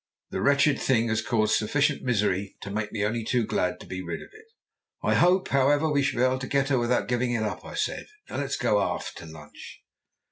The wretched thing has caused sufficient misery to make me only too glad to be rid of it." "I hope, however, we shall be able to get her without giving it up," I said. "Now let us go aft to lunch."